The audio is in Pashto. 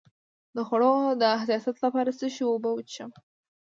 د خوړو د حساسیت لپاره د څه شي اوبه وڅښم؟